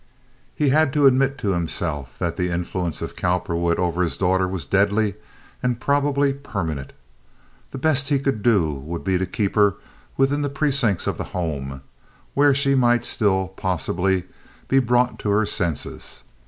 He had to admit to himself that the influence of Cowperwood over his daughter was deadly, and probably permanent. The best he could do would be to keep her within the precincts of the home, where she might still, possibly, be brought to her senses.